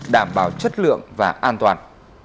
đảm bảo chất lượng và an toàn